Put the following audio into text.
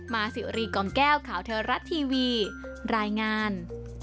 มาสิวรีกล่อมแก้วข่าวเทวรัฐทีวีรายงาน